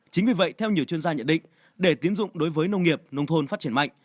chính vì vậy theo nhiều chuyên gia nhận định để tiến dụng đối với nông nghiệp nông thôn phát triển mạnh